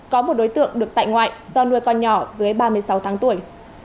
có một đối tượng được tại ngoại do nuôi con nhỏ dưới ba mươi sáu tháng tuổi